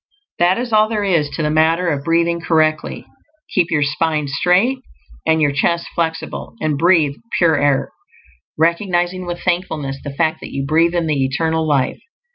That is all there is to the matter of breathing correctly. Keep your spine straight and your chest flexible, and breathe pure air, recognizing with thankfulness the fact that you breathe in the Eternal Life.